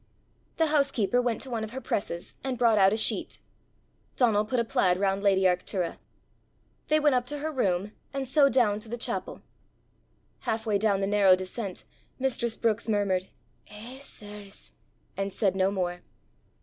The housekeeper went to one of her presses, and brought out a sheet. Donal put a plaid round lady Arctura. They went up to her room, and so down to the chapel. Half way down the narrow descent mistress Brookes murmured, "Eh, sirs!" and said no more.